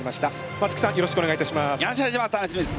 松木さんよろしくお願いいたします。